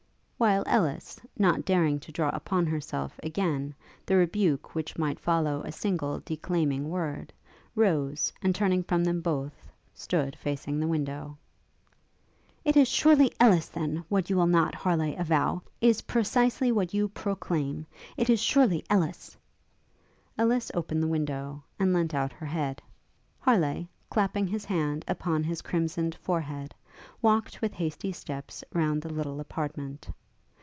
while Ellis, not daring to draw upon herself, again, the rebuke which might follow a single declaiming word, rose, and turning from them both, stood facing the window. 'It is surely then Ellis! what you will not, Harleigh, avow, is precisely what you proclaim it is surely Ellis!' Ellis opened the window, and leant out her head; Harleigh, clapping his hand upon his crimsoned forehead, walked with hasty steps round the little apartment.